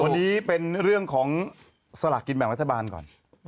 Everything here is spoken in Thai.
วันนี้เป็นเรื่องของสลากกินแบ่งรัฐบาลก่อน